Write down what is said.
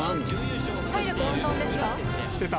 体力温存ですか？